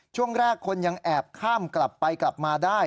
ช่วงแรกคนยังแอบข้ามกลับไปกลับมาได้